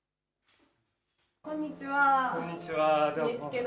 こんにちは。